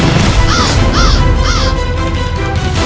terhati apa yang sayariends